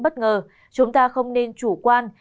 bất ngờ chúng ta không nên chủ quan